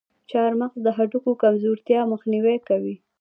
چارمغز د هډوکو کمزورتیا مخنیوی کوي.